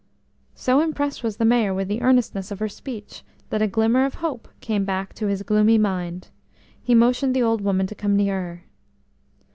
So impressed was the Mayor with the earnestness of her speech, that a glimmer of hope came back to his gloomy mind: he motioned the old woman to come nearer.